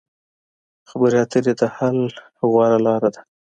خبرې اترې د حل غوره لار ده.